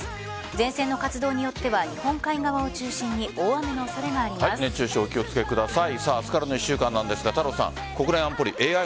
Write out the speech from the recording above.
前線の活動によっては日本海側を中心に熱中症、お気を付けください。